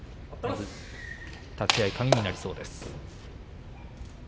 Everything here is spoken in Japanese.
立ち合い鍵になりそうです。